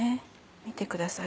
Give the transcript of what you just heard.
見てください